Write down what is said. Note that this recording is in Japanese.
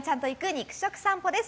肉食さんぽです。